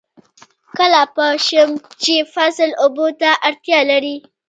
کله پوه شم چې فصل اوبو ته اړتیا لري؟